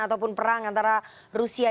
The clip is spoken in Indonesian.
ataupun perang antara rusia